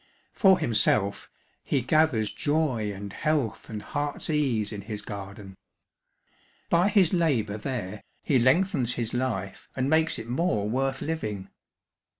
For himself, he gathers joy and health and heart's ease in his garden. By his labour there, he lengthens his life and makes it more worth living.